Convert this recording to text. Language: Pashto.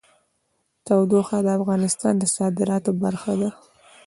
تودوخه د افغانستان د صادراتو برخه ده.